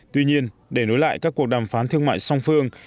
tuy nhiên để nối lại các cuộc đàm phán thương mại song phương